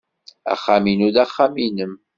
Axxam-inu d axxam-nnem.